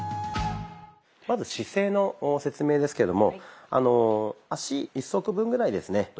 まず姿勢の説明ですけども足１足分ぐらいですね